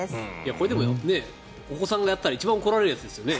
これ、お子さんがやったら一番怒られるやつですよね。